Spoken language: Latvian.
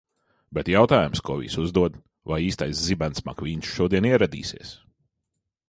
Bet jautājums, ko visi uzdod: vai īstais Zibens Makvīns šodien ieradīsies?